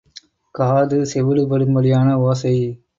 காது செவிடுபடும்படியான ஓசை.